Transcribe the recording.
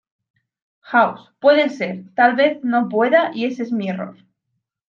House:-Puede ser, tal vez no pueda y ese es mi error.